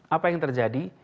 apa yang terjadi